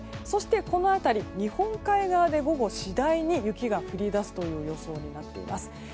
そして、日本海側で午後、次第に雪が降り出す予想になっています。